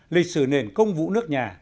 lịch sử nền công vũ nước nhà